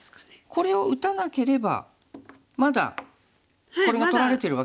これを打たなければまだこれが取られてるわけでは。